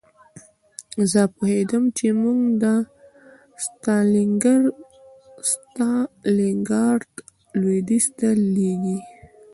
زه پوهېدم چې موږ د ستالینګراډ لویدیځ ته لېږي